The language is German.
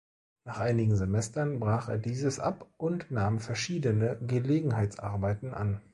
Nach einigen Semestern brach er dieses ab und nahm verschiedene Gelegenheitsarbeiten an.